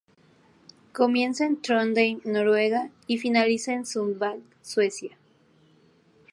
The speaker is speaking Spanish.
Comienza en Trondheim, Noruega y finaliza en Sundsvall, Suecia.